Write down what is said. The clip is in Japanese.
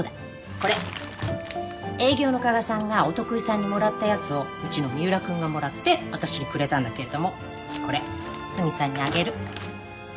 これ営業の加賀さんがお得意さんにもらったやつをうちの三浦くんがもらって私にくれたんだけれどもこれ筒見さんにあげる。